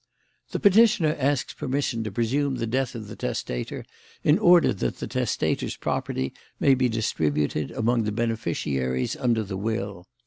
"The petitioner asks permission to presume the death of the testator in order that the testator's property may be distributed among the beneficiaries under the will.